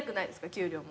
給料も。